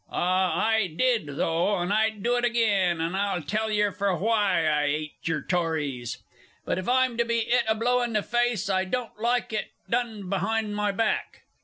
"_) Ah, I did, though, and I'd do it agin, and I'll tell yer for why. I 'ate yer Tories, but if I'm to be 'it a blow in the face, I don't like it done behind my back.